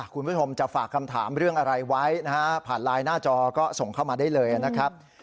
คุณผู้ชมจะฝากคำถามเรื่องอะไรไว้นะฮะผ่านไลน์หน้าจอก็ส่งเข้ามาได้เลยนะครับ